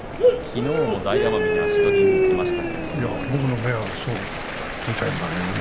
きのうも大奄美が足技でいきました。